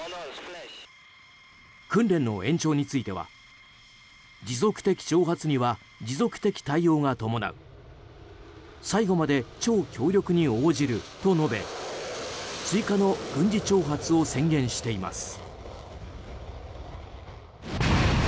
訓練の延長については持続的挑発には持続的対応が伴う最後まで超強力に応じると述べ追加の軍事挑発を宣言しています。